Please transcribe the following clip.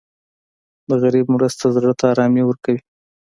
د غریب مرسته زړه ته ارامي ورکوي.